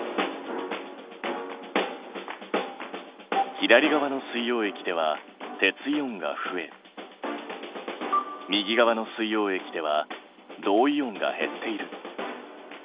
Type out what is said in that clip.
左側の水溶液では鉄イオンが増え右側の水溶液では銅イオンが減っている。